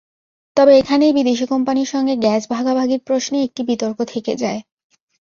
তবে এখানেই বিদেশি কোম্পানির সঙ্গে গ্যাস ভাগাভাগির প্রশ্নে একটি বিতর্ক থেকে যায়।